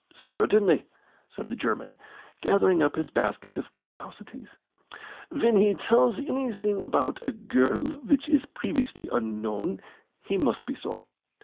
"Certainly," said the German, gathering up his basket of curiosities, "when he tells anything about a girl which is previously unknown, he must be so.